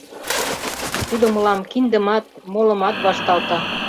Тудо мылам киндымат, молымат вашталта...